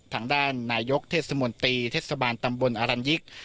ทางด้านนายกเทศมนตรีเทศบาลตำบลอรัญยิก